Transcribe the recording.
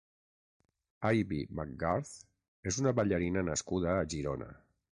Aibi macgarth és una ballarina nascuda a Girona.